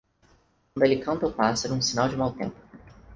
Quando ele canta o pássaro, um sinal de mau tempo.